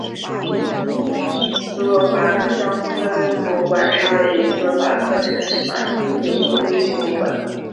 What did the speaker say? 斯洛伐克乡村博物馆是位于斯洛伐克城市马丁附近的一座露天博物馆。